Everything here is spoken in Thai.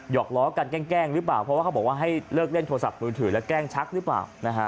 อกล้อกันแกล้งหรือเปล่าเพราะว่าเขาบอกว่าให้เลิกเล่นโทรศัพท์มือถือแล้วแกล้งชักหรือเปล่า